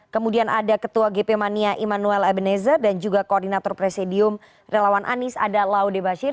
kemudian ada ketua gp mania immanuel ebenezer dan juga koordinator presidium relawan anies ada laude bashir